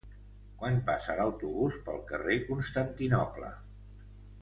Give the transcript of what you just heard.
Quan passa l'autobús pel carrer Constantinoble?